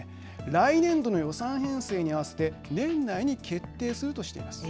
来年度の予算編成に合わせて年内に決定するとしています。